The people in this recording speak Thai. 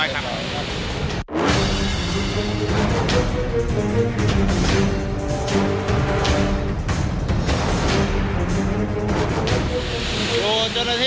สถานการณ์ข้อมูล